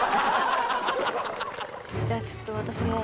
じゃあちょっと私も。